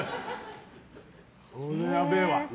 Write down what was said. これはやべえわ。